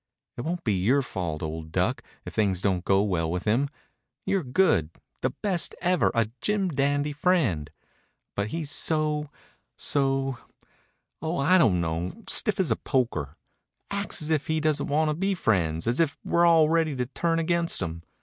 "It won't be your fault, old duck, if things don't go well with him. You're good the best ever a jim dandy friend. But he's so so Oh, I don't know stiff as a poker. Acts as if he doesn't want to be friends, as if we're all ready to turn against him.